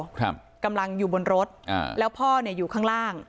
ครับกำลังอยู่บนรถอ่าแล้วพ่อเนี้ยอยู่ข้างล่าง